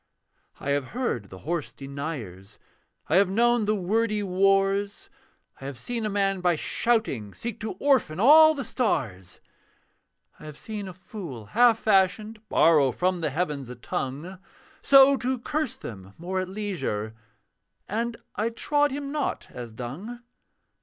I have heard the hoarse deniers, I have known the wordy wars; I have seen a man, by shouting, Seek to orphan all the stars. I have seen a fool half fashioned Borrow from the heavens a tongue, So to curse them more at leisure And I trod him not as dung.